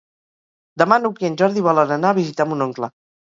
Demà n'Hug i en Jordi volen anar a visitar mon oncle.